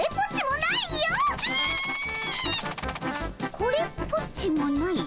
これっぽっちもないとな？